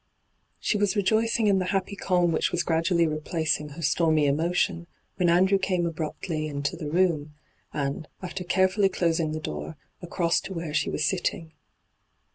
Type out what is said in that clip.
She was rejoicing in the happy calm which was graduaUy replacing her stormy emotion, when Andrew came abruptly into the room, and, after carefully closing the door, across to where she was sitting.